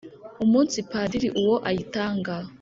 Umunsi Padiri uwo ayitanga,